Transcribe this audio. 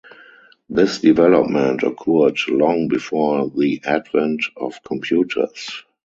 This development occurred long before the advent of computers.